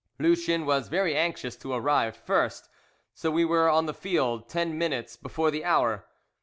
Lucien was very anxious to arrive first, so we were on the field ten minutes before the hour.